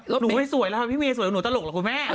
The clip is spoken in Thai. หนูไม่สวยแล้วค่ะพี่เมย์สวยหนูตลกเหรอคุณแม่